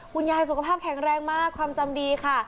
สุขภาพแข็งแรงมากความจำดีค่ะ